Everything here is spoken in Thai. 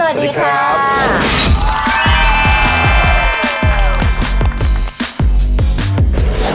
สวัสดีครับ